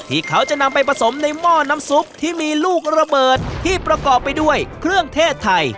ที่เขาจะนำไปผสมในหม้อน้ำซุปที่มีลูกระเบิดที่ประกอบไปด้วยเครื่องเทศไทย